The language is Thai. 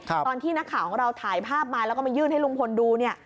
ตอนที่นักข่าวของเราถ่ายภาพมาแล้วก็มายื่นให้ลุงพลดูเนี่ย